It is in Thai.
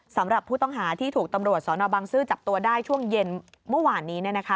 สำหรับผู้ต้องหาที่ถูกตำรวจสนบังซื้อจับตัวได้ช่วงเย็นเมื่อวานนี้